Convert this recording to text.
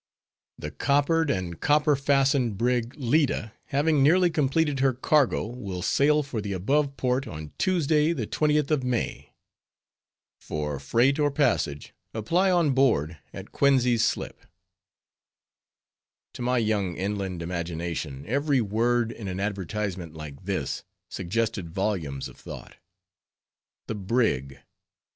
_The coppered and copper fastened brig Leda, having nearly completed her cargo, will sail for the above port on Tuesday the twentieth of May. For freight or passage apply on board at Coenties Slip. _ To my young inland imagination every word in an advertisement like this, suggested volumes of thought. A _brig!